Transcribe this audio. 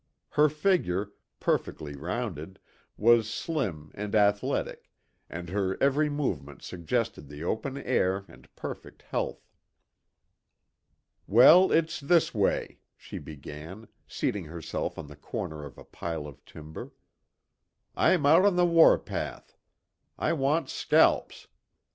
Her figure, perfectly rounded, was slim and athletic, and her every movement suggested the open air and perfect health. "Well, it's this way," she began, seating herself on the corner of a pile of timber: "I'm out on the war path. I want scalps.